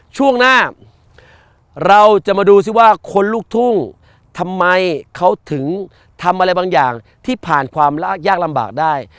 ช่วงหน้าเราจะมาดูซิว่าคนลูกทุ่งทำไมเขาถึงทำอะไรบางอย่างที่ผ่านความยากลำบากได้